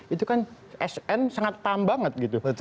itu kan sn sangat paham banget gitu